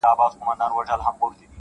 نور بيا د ژوند عادي چارو ته ستنېږي ورو,